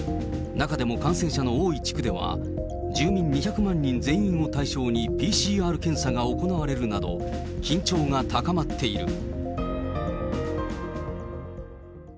中でも感染者の多い地区では、住民２００万人全員を対象にＰＣＲ検査が行われるなど、緊張が高まっている。